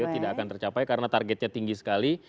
tidak akan tercapai karena targetnya tinggi sekali